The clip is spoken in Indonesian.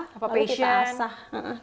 lalu kita asah